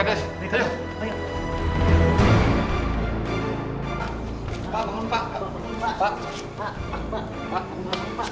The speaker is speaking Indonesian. pak bangun pak